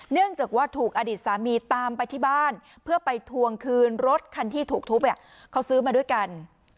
เนื่องจากว่าถูกอดีตสามีตามไปที่บ้านเพื่อไปทวงคืนรถคันที่ถูกทุบเขาซื้อมาด้วยกัน